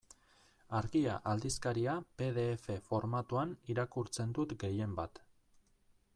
Argia aldizkaria pe de efe formatuan irakurtzen dut gehienbat.